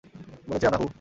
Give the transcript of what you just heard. বলেছিলাম না, হু?